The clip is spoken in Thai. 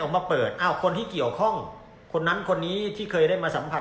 มาเปิดอ้าวคนที่เกี่ยวข้องคนนั้นคนนี้ที่เคยได้มาสัมผัส